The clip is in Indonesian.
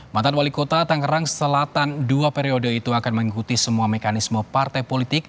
mantan wali kota tangerang selatan dua periode itu akan mengikuti semua mekanisme partai politik